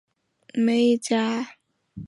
没一家敢提续航力